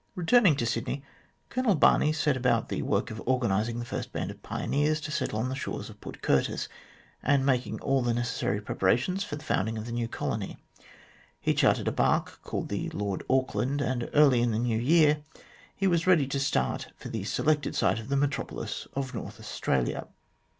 Eeturning to Sydney, Colonel Barney set about the work of organising the first band of pioneers to settle on the shores of Port Curtis, and making all the necessary preparations for the founding of the new colony. He chartered a barque called the Lord Auckland, and early in the new year he was ready to start for the selected site of the metropolis of North Australia.